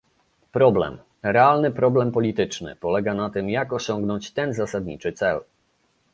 Problem, realny problem polityczny, polega na tym, jak osiągnąć ten zasadniczy cel